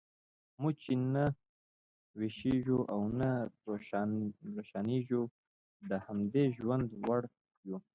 موږ چې نه ویښیږو او نه روښانیږو، د همدې ژوند وړ یو.